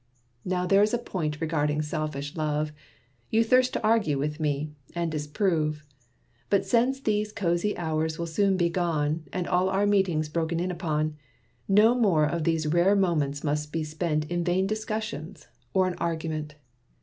Now there's a point regarding selfish love, You thirst to argue with me, and disprove. But since these cosy hours will soon be gone And all our meetings broken in upon, No more of these rare moments must be spent In vain discussions, or in argument.